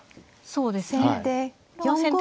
そうですね。